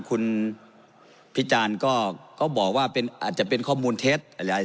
คุณพี่จานก็ก็บอกว่าเป็นอาจจะเป็นข้อมูลเทสอะไรอะไร